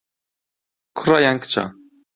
کوڕە یان کچە؟